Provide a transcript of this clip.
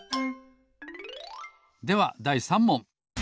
ではだい３もん。